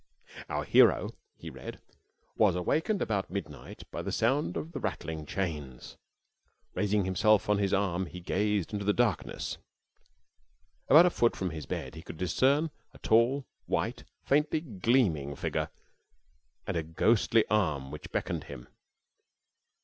"Our hero," he read, "was awakened about midnight by the sound of the rattling of chains. Raising himself on his arm he gazed into the darkness. About a foot from his bed he could discern a tall, white, faintly gleaming figure and a ghostly arm which beckoned him."